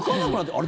あれ？